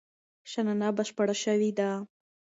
شننه بشپړه شوې ده.